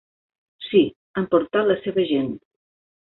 Sí, han portat la seva gent.